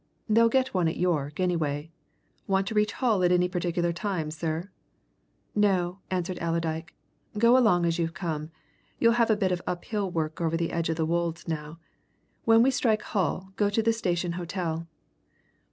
"They'll get one at York, anyway. Want to reach Hull at any particular time, sir?" "No," answered Allerdyke. "Go along as you've come. You'll have a bit of uphill work over the edge of the Wolds, now. When we strike Hull, go to the Station Hotel."